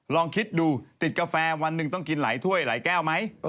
ลองคิดดูติดกาแฟวันหนึ่งต้องกินหลายถ้วยหลายแก้วไหม